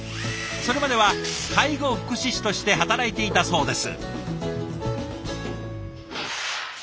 それまでは介護福祉士として働いていたそうです。